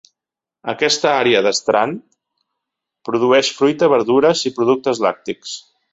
Aquesta àrea de Strand produeix fruita, verdures i productes lactis.